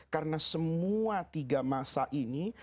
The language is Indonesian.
karena semua tiga masa ini